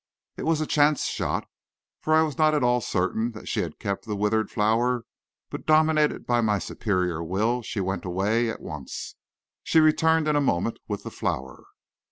It was a chance shot, for I was not at all certain that she had kept the withered flower, but dominated by my superior will she went away at once. She returned in a moment with the flower.